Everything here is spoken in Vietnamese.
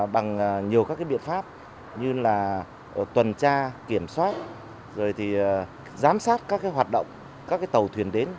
bằng nhiều các biện pháp như tuần tra kiểm soát giám sát các hoạt động các tàu thuyền đến